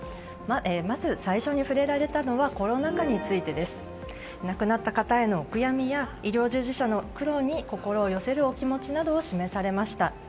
まず最初に触れられたのはコロナ禍についてです。亡くなった方へのお悔やみや医療従事者の方へ心を寄せるお気持ちなどを示されました。